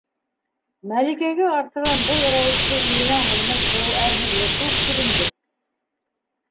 Мәликәгә артабан был рәүешле иренә һыйынып тороу әрһеҙлек кеүек күренде.